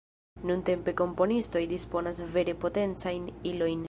Nuntempe komponistoj disponas vere potencajn ilojn.